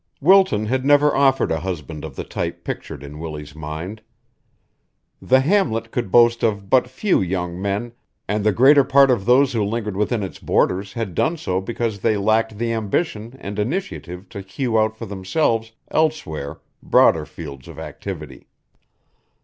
Wilton had never offered a husband of the type pictured in Willie's mind. The hamlet could boast of but few young men, and the greater part of those who lingered within its borders had done so because they lacked the ambition and initiative to hew out for themselves elsewhere broader fields of activity.